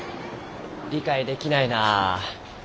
理解できないなあ。